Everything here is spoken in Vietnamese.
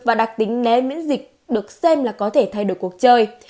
và đặc tính né miễn dịch được xem là có thể thay đổi cuộc chơi